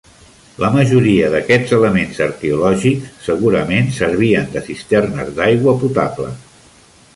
La majoria d'aquests elements arqueològics segurament servien de cisternes d'aigua potable.